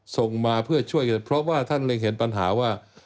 ส่งมาเพื่อช่วยกันเพราะว่าท่านเร็งเห็นปัญหาว่า